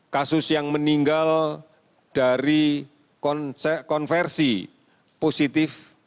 kasus yang meninggal dari konversi positif